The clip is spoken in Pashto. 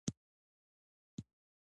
پسرلی د افغانستان د اقتصاد برخه ده.